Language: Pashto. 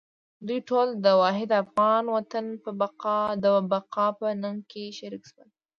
دوی ټول د واحد افغان وطن د بقا په ننګ کې شریک شول.